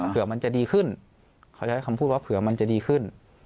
เผื่อมันจะดีขึ้นเขาใช้คำพูดว่าเผื่อมันจะดีขึ้น